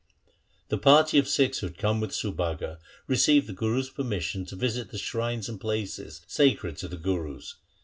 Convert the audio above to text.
The party of Sikhs who had come with Subhaga received the Guru's permission to visit the shrines and places sacred to the Gurus.